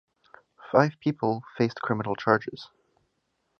Five people faced criminal charges.